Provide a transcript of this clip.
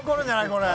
これ。